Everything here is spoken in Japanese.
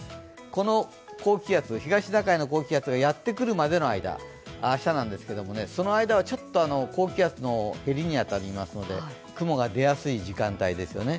この高気圧、東シナ海の高気圧がやってくるまでの間明日なんですけども、その間はちょっと高気圧の縁に当たりますので雲が出やすい時間帯ですよね。